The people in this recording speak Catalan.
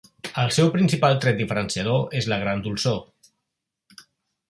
El seu principal tret diferenciador és la gran dolçor.